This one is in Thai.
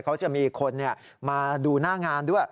เขาจะมีคนมาดูหน้างานด้วย